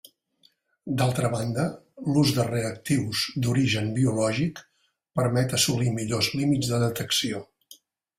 D'altra banda, l'ús de reactius d'origen biològic permet assolir millors límits de detecció.